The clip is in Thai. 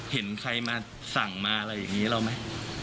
เห็นใครมาสั่งมาอะไรอย่างนี้เราไหม